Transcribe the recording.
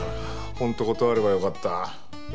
本当断ればよかった。